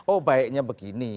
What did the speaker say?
oh baiknya begini